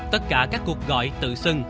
tất cả các cuộc gọi tự xưng